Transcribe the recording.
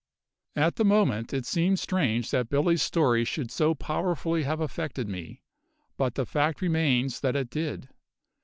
At the moment it seemed strange that Billy's story should so powerfully have affected me, but the fact remains that it did.